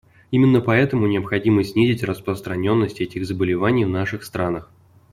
Именно поэтому необходимо снизить распространенность этих заболеваний в наших странах.